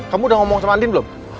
kamu udah ngomong sama andin belum